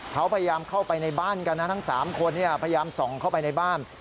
เขาพยายามเข้าไปในบ้านกันนะทั้ง๓คนพยายามส่องเข้าไปในบ้าน